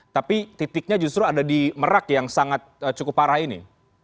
tapi titiknya justru ada di merak yang sangat cukup parah ini